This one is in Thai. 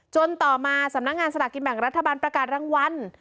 ต่อมาสำนักงานสลากกินแบ่งรัฐบาลประกาศรางวัล